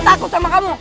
kita gak takut sama kamu